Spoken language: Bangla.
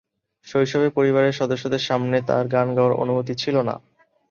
শৈশবে পরিবারের সদস্যদের সামনে তার গান গাওয়ার অনুমতি ছিল না।